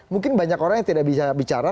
mungkin banyak orang yang tidak bisa bicara